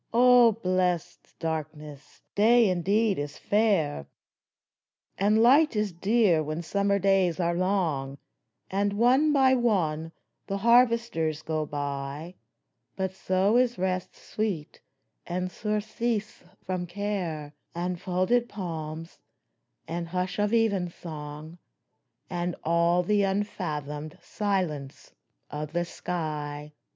O blessed Darkness, Day indeed is fair, And Light is dear when summer days are long, And one by one the harvesters go by ; But so is rest sweet, and surcease from care, And folded palms, and hush of evensong, And all the unfathomed silence of the sky